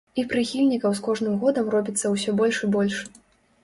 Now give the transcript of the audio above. І прыхільнікаў з кожным годам робіцца ўсё больш і больш.